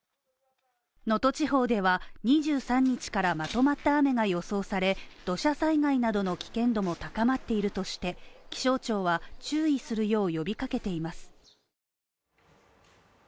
能登地方では２３日からまとまった雨が予想され、土砂災害などの危険度も高まっているとして、気象庁は注意するよう呼びかけています。